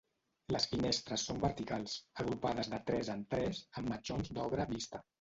Les finestres són verticals, agrupades de tres en tres, amb matxons d'obra vista.